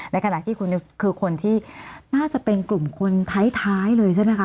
ในขณะที่คุณคือคนที่น่าจะเป็นกลุ่มคนท้ายเลยใช่ไหมคะ